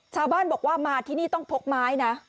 ชาวบ้านบอกว่ามาที่นี่ต้องพกไม้นะ